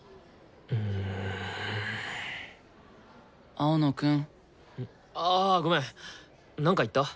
青野くん。ああごめんなんか言った？